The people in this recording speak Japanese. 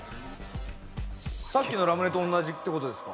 さっきのラムネとおんなじってことですか？